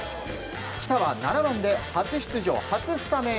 来田は７番で初出場初スタメン。